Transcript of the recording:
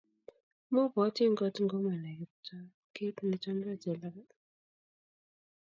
mobwoti ngot ko manai Kiptoo kiit nechomdoi Jelagat